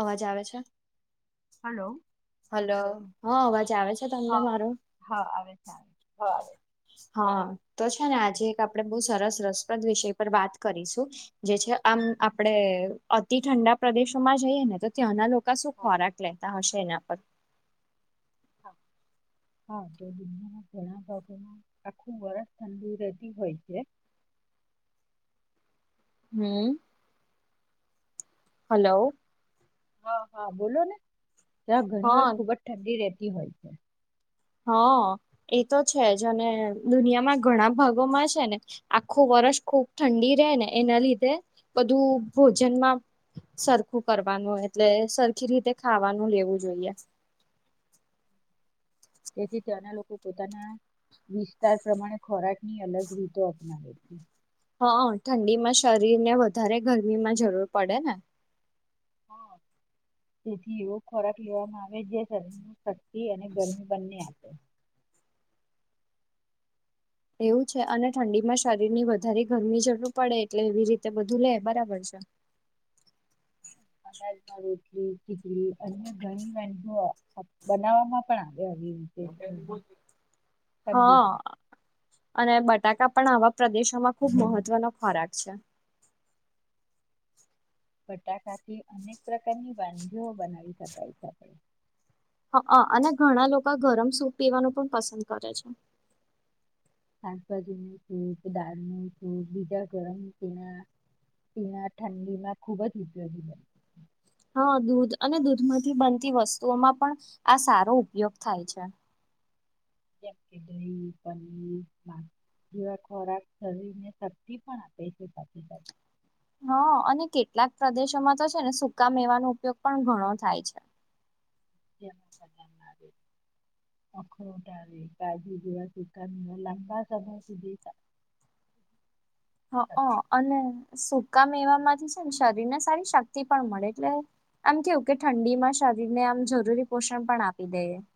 અવાજ આવે છે? હાલો. હલો હ અવાજ આવે છે તમને હા મારો હા આવે છે આવે છે. હા. તો છે ને આજે એક આપડે બહુ સરસ રસપ્રદ વિષય પર વાત કરીશું જે છે આમ આપડે અતિ ઠંડા પ્રદેશોમાં જઈએ ને તો ત્યાંના લોકો કશું હા આવે છે. ખોરાક લેતા હશે એના પર હા. હા હા તો દુનિયાના ઘણા ભાગોમાં આખું વરષ ઠંડુ રહેતી હોય છે. હમ્મ હલો હા હા બોલો ને તં ઘણી વાર હા ખુબ જ ઠંડી રહેતી હોય. હા એ તો છે જ અને દુનિયામાં ઘણા ભાગોમાં છે ને આખું વરષ ખૂબ ઠંડી રહે ને એના લીધે બધું ભોજનમાં સરખું કરવાનું એટલે સરખી રીતે ખાવાનું લેવું જોઈએ. તેથી તે્યાંના લોકો પોતાના વિસ્તાર પ્રમાણે ખોરાકની અલગ રીતો અપનાવે છે. હા ઠંડી માં શરીર ને વધારે ગરમીમાં જરૂર પડે ને. તેથી એવો ખોરાક લેવામાં આવે જે શરી અને ગરમી બંને આપે. એવું છે અને ઠંડી માં શરીર ની વધારે ગરમી જરૂર પડે એટલે એવી રીતે બધું લે બરાબર છે. અનાજમાં રોટલી ચીડલી અન્ય ઘણી વાંધીઓ બનાવવામાં પણ આવે. [unintelligible] હઠાડી હા અને બટાકા પણ આવા પ્રદેશોમાં ખુબ મહત્વનો ખોરાક છે. બટાકાથી અનેક પ્રકારની વાંધીઓ બનાવી શકાય છે આપણે. હ અને ઘણા લોકો ગરમ સૂપ પીવાનું પણ પસંદ કરે છે. શાકભાજી નું સૂપ દાળનું સૂપ બીજા ગરમ તેના પના ઠંડી માં ખુબ જ ઉપયોગી બન હા દૂધ અને દૂધમાંથી બનતી વસ્તુઓમાં પણ આ સારો ઉપયોગ થાય છે. કે પનીર [unintelligible] જેવા ખોરાક શરીરને શક્તિ પણ આપે છે બાજુુ [unintelligible] હા અને કેટલાક પ્રદેશોમાં તો છે ને સકા મેવાનો ઉપયોગ પણ ઘણો થાય છે. [unintelligible] અખરોટ આવે કાજુ જેવા ચકન જેવા લંબા સમય સુધી હ શકાય. અને સુ કામ એવા માંથી છે ને શરીર ને સારી શક્તિ પણ મળે એટલે આમ કેવું કે, ઠંડી માં શરીર ને આમ જરૂરી પોષણ પણ આપી દઈએ [inaudible]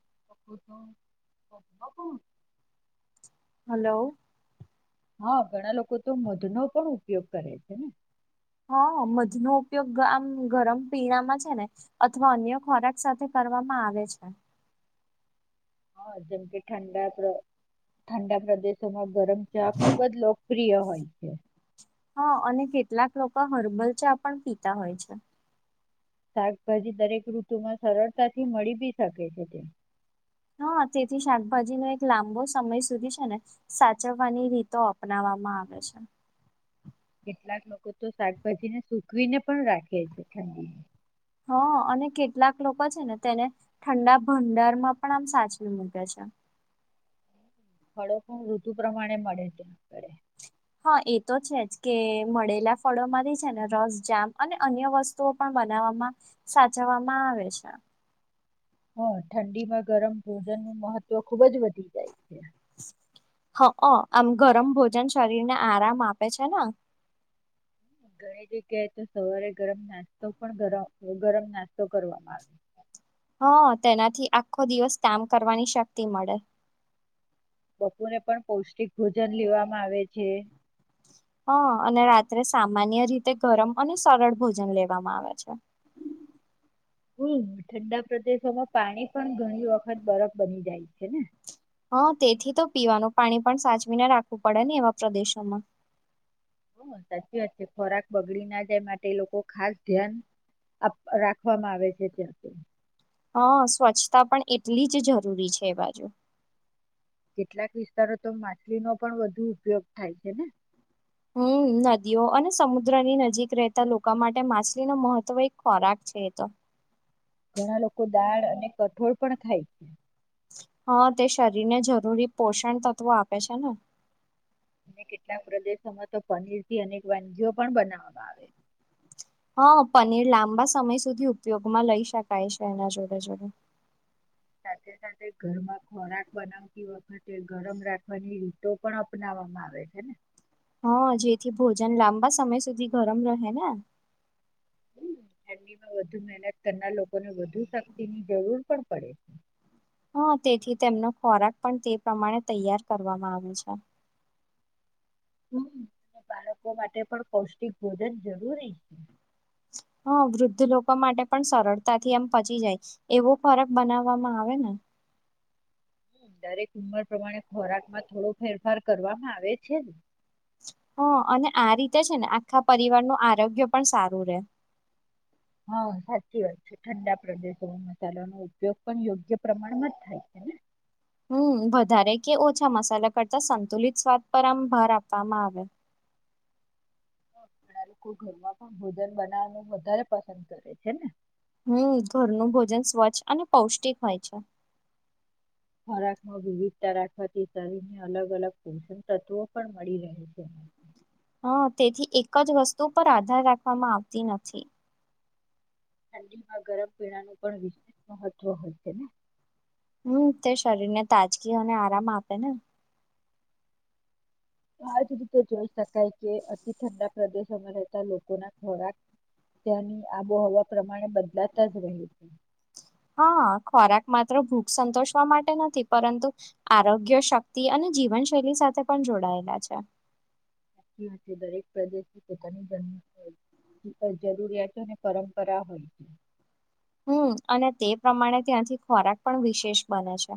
છ [unintelligible] હલો. હા ઘણા લોકો તો મધનો પણ ઉપયોગ કરે છે ને? હા, મધનો ઉપયોગ ગ આમ ગરમ પીણામાં છે, ને અથવા અન્ય ખોરાક સાથે કરવામાં આવે છે. હા, જેમ કે ઠંડા પ્ર ઠંડા પ્રદેશોમાં ગરમ ચા ખુબજ લો પ્રિય હોય છે. હા, અને કેટલાક લોકો હર્બલ ચા પણ પીતા હોય છે. શાકભાજી દરેક ઋતુમાં સરળતાથી મળી બી શકે છે તે. હા. આ ચેથી શાકભાજી નો એક લાંબો સમય સુધી છે ને, સાચવવાની રીતો અપનાવવામાં આવે છે. [inaudible] કેટલાક લોકો તો શાકભાજીને સુકવીને પણ રાખે છે ઠંડીમાં. હા, અને કેટલાક લોકો છે, ને તેને ઠંડા ભંડારમાં પણ આમ સાચવી મૂકે છે. [inaudible] ફળો પણ ઋતુ પ્રમાણે મળે ત્યાં આગ હા, એ તો છે જ. કે મળેલા ફળોમાંથી છે ને રસ જામ અને અન્ય વસ્તુઓ પણ બનાવામાં, સાચવવામાં આવે છે. હા, ઠંડીમાં ગરમ ભોજન નું મહત્વ ખુબ જ વધી જાય છે. [unintelligible] હઅ આમ ગરમ ભોજન શરીર ને આરામ આપે છે ને. ઘણી જગ્યાએ તો સવારે ગરમ નાસ્તો પણ ગર ગરમ નાસ્તો કરવામાં આવી હા, તેનાથી આખો દિવસ કામ કરવાની શક્તિ મળે. બપોરે પણ પૌષ્ટિક ભોજન લેવામાં આવે છે. [inaudible] હા, અને રાત્રે સામાન્ય રીતે ગરમ અને સરળ ભોજન લેવામાં આવે છે. [unintelligible] હમ્મ, ઠંડા પ્રદેશોમાં પાણી પણ ઘણી વખત બરફ બની જાય છે ને. હા, તેથી તો પીવાનું પાણી પણ સાચવીને રાખવું પડે ને એવા પ્રદેશોમાં. સાચી વાત છે. ખોરાક બગડી ના જાય એ માટે એ લોકો ખાસ ધ્યાન આપ રાખવામાં આવે છે, ત્યાં તો હા, સ્વચ્છતા પણ એટલી જ જરૂરી છે એ બાજુ. કેટલાક વિસ્તારો તો માછલીનો પણ વધુ ઉપયોગ થાય છે ને. હમ્મ મ નદીઓ, અને સમુદ્રની નજીક રહેતા લોકો માટે માછલી નો મહત્વ એક ખોરાક છે એ તો ઘણા લોકો દાળ અને કઠોળ પણ ખાય છે હા, તે શરીરને જરૂરી પોષણ તત્વો આપે છે ને. અને કેટલાક પ્રદેશોમાં તો પનીર થી અનેક વાનગીઓ પણ બનાવામાં આવે. હા પનીર લાંબા સમય સુધી ઉપયોગમાં લઈ શકાય છે, એના જોડે જોડે [inaudible] સાથે સાથે ઘરમાં ખોરાક બનાવતી વખતે, ગરમ રાખવાની રીતો પણ અપનાવવામાં આવે છે. ને હા, જેથી ભોજન લાંબા સમય સુધી ગરમ રહે ને આમ હમ, [inaudible] ઠંડીમાં વધુ મહેનત કરનાર લોકોને વધુ શક્તિની જરૂર પણ પડે છે. હા, તેથી તેમનો ખોરાક પણ તે પ્રમાણે તૈયાર કરવામાં આવે છે. હમ્મ અને બાળકો માટે પણ પૌષ્ટિક ભોજન જરૂરી છે. [inaudible] હા, વૃદ્ધ લોકો માટે પણ સરળતાથી આમ પચી જાય. એવો ખોરાક બનાવવામાં આવે ને દરેક ઉંમર પ્રમાણે ખોરાકમાં થોડો ફેરફાર કરવામાં આવે છે. હ અને આ રીતે છે ને આખા પરિવારનું આરોગ્ય પણ સારું રે હા સાચી વાત છે ઠંડા પ્રદેશોમાં મસાલાનો ઉપયોગ પણ યોગ્ય પ્રમાણમાં જ થાય છે. ને [unintelligible] હમ. વધારે કે ઓછા મસાલા કરતા સંતુલિત સ્વાદ પર આમ ભાર આપવામાં આવે. ઘણા લોકો ઘરમાં પણ ભોજન બનાવવાનું વધારે પસંદ કરે છે ને હમ ઘરનું ભોજન સ્વચ્છ અને પૌષ્ટિક હોય છે. ખોરાકમાં વિવિધતા રાખવાથી શરીરને અલગ અલગ પોષણ તત્વો પણ મળી રહે છે. હ તેથી એક જ વસ્તુ પર આધાર રાખવામાં આવતી નથી. ઠંડીમાં ગરમ પીણાનું પણ વિશેષ મહત્વ હોય છે ને હમ તે શરીરને તાજગી અને આરામ આપે ને આજ રીતે જોઈ શકાય કે અતિ ઠંડા પ્રદેશોમાં રહેતા લોકોના ખોરાક ત્યાંની આબોહવા પ્રમાણે બદલાતા જ રહી હા ખોરાક માત્ર ભૂખ સંતોષવા માટે નથી પરંતુ આરોગ્ય શક્તિ અને જીવનશૈલી સાથે પણ જોડાયેલા છે. દરેક પ્રદેશ પોતાની જન્મ [inaudible] પણ જરૂરિયાતોને પરંપરા હોય હમ અને તે પ્રમાણે ત્યાંથી ખોરાક પણ વિશેષ બને છે.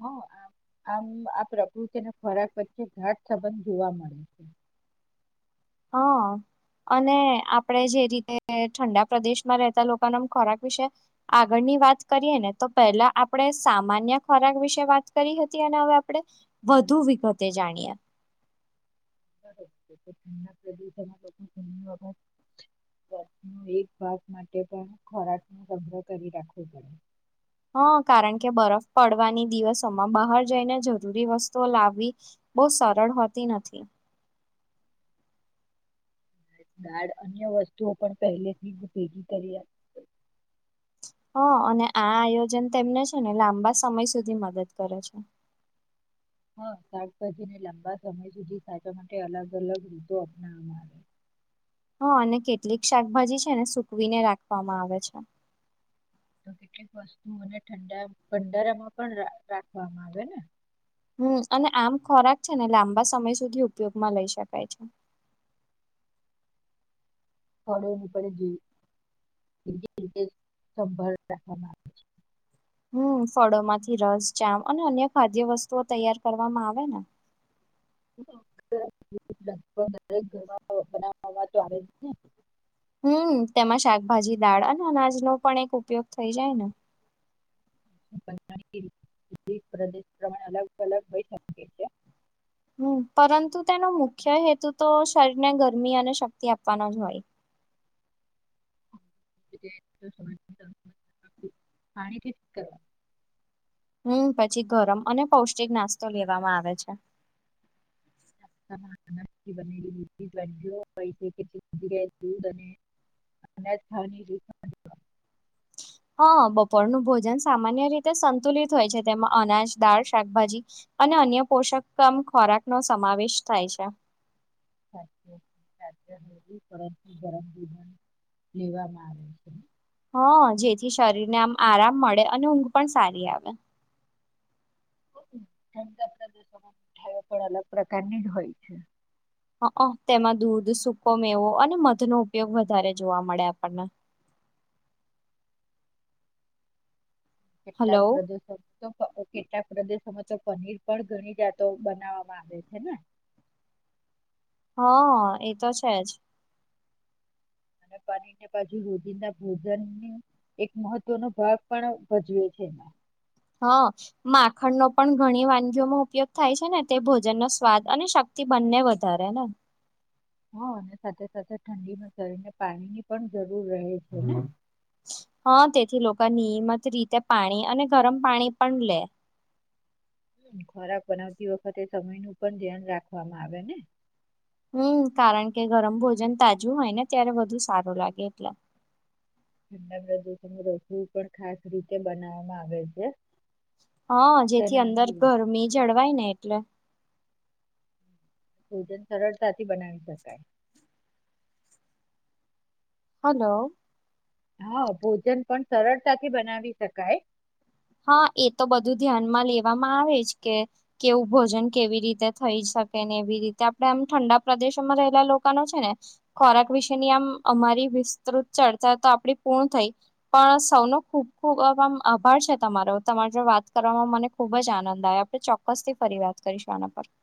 હા આમ આમ આ પ્રકૃતિના ખોરાક વચ્ચે ઘાટ સંબંધ જોવા મળે છે. હા. અને આપણેે જે રીતે ઠંડા પ્રદેશમાં રહેતા લોકોના ખોરાક વિશે આગળની ની વાત કરીએને તો પેહલા આપણે સામાન્ય ખોરાક વિશે વાત કરી હતી અને હવે આપણે વધુ વિગતે જાણ્યા [unintelligible] ન એક ભાગ માટે પણ ખોરાકનો સંગ્રહ કરી રાખવો પડે. હા કારણ કે બરફ પડવાની દિવસોમાં બહાર જઈને જરૂરી વસ્તુઓ લાવવી. બહુ સરળ હોતી નથી. દાઢ અન્ય વસ્તુઓ પણ પહેલેથી જ ભેગી કરી આપ. [inaudible] હા અને આ આયોજન તેમને છે ને લાંબા સમય સુધી મદદ કરે છે. હા શાકભાજીને લાંબા સમય સુધી સાચવા માટે અલગ અલગ રીતો અપનાવવામાં આવે. હા અને કેટલીક શાકભાજી છે ને સુકવીને રાખવામાં આવે છે. તો કેટલીક વસ્તુ મને ઠંડા ભંડારામાં પણ રાખવામાં આવે ને? હમ અને આમ ખોરાક છે ને લાંબા સમય સુધી ઉપયોગમાં લઈ શકાય છે. [inaudible] સલોની પડી ગઈ. જે રીતે સંભાળ રાખવામાં આવે છે. હમ ફળોમાંથી રસ જામ અને અન્ય ખાદ્ય વસ્તુઓ તૈયાર કરવામાં આવે ને લગભગ દરેક બનાવવા તો આવે જ ને હમ તેમાં શાકભાજી દાળ અને અનાજનો પણ એક ઉપયોગ થઈ જાય ને પ્રદેશ પ્રમાણે અલગ અલગ શકે છે. હમ પરંતુ તેનો મુખ્ય હેતુ તો શરીરને ગરમી અને શક્તિ આપવાનો જ હોય. તે કરવા [unintelligible] હમ પછી ગરમ અને પૌષ્ટિક નાસ્તો લેવામાં આવે છે [unintelligible] [unintelligible] હા બપોરનું ભોજન સામાન્ય રીતે સંતુલિત હોય છે તેમાં અનાજ દાળ શાકભાજી અને અન્ય પોષકતમ ખોરાકનો સમાવેશ થાય છે. [unintelligible] લેવામાં આવે છે હ જેથી શરીર ને આમ આરામ મળે અને ઊંઘ પણ સારી આવે હું પણ અલગ પ્રકારની જ હોય છે હક તેમાં દૂધ સુકો મેવો અને મધનો ઉપયોગ વધારે જોવા મળે આપણને કેટલાક હલો પ્રદેશો તો કેટલાક પ્રદેશોમાં તો પનીર પણ ઘણી જાતો બનાવવામાં આવે છે ને હા એ તો છે જ અને પાણીને બાજુ રોજીદા ભોજનની એક મહત્વનો ભાગ પણ ભજવે છે [inaudible] હા માખણ નો પણ ઘણી વાનગીઓમાં ઉપયોગ થાય છે ને તે ભોજન નો સ્વાદ અને બંને વધારે ને હા અને સાથે સાથે ઠંડીમાં શરીને પાણી ની પણ જરૂર રહે છે ને હા તેથી લોકની મઘ રીતે પાણી અને ગરમ પાણી પણ લે ખોરાક બનાવતી વખતે સમય નું પણ ધ્યાન રાખવામાં આવે ને હમ કારણ કે ગરમ ભોજન તાજું હોય ને ત્યારે વધુ સારું લાગે એટલે ઠંડા દુઘ રસોડું પણ ખાસ રીતે બનાવામાં આવે છે હા જેથી તેના અંદર અનુરૂપ ગરમી જળવાય ને એટલે ભોજન સરળતાથી બનાવી શકાય. હલો! હા ભોજન પણ સરળતાથી બનાવી શકાય. હા એ તો બધું ધ્યાનમાં લેવામાં આવે જ કે કેવું ભોજન કેવી રીતે થઈ જ સકે ને એવી રીતે આપણે આમ ઠંડા પ્રદેશોમાં રહેલા લોકોનો છે ને ખોરાક વિશેની આમ અમારી વિસ્તૃત ચર્ચા તો આપ પૂર્ણ થઈ પણ સૌનો ખૂબ ખૂબમ આભાર છે તમારો તમારે જો વાત કરવામાં મને ખુબ જ આનંદ આવે આપણે ચોક્કસથી ફરી વાત કરીશું આના પર. [inaudible]